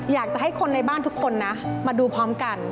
อยากจะให้คนในบ้านทุกคนนะมาดูพร้อมกัน